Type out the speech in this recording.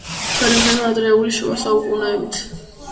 თარიღდება ადრეული შუა საუკუნეებით.